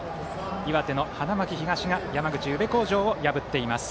岩手の花巻東が山口・宇部鴻城を破っています。